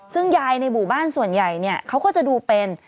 ซึ่งยายในหมู่บ้านส่วนใหญ่เนี่ยเขาก็จะดูเป็น